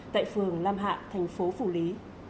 tại phường lam hạ thành phố phủ lý